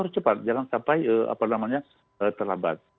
jangan sampai terlambat